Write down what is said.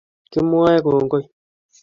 kimwae kongoi